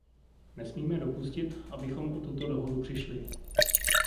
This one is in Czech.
Nesmíme dopustit, abychom o tuto dohodu přišli.